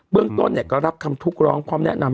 เบื้องต้นเนี่ยก็รับคำทุกข์ร้องความแนะนำ